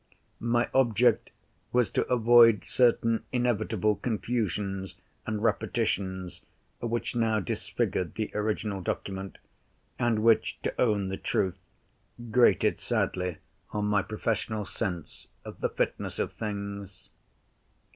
My object was to avoid certain inevitable confusions and repetitions which now disfigured the original document, and which, to own the truth, grated sadly on my professional sense of the fitness of things.